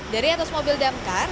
dari atas mobil damkar